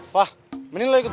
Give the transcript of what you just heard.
fah mending lo ikut gue